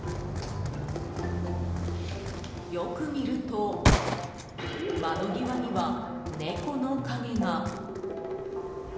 よく見ると、窓際には猫の影が。